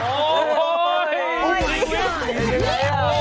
โอ้โฮ